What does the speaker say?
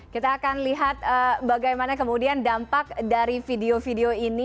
kita akan lihat bagaimana kemudian dampak dari video video ini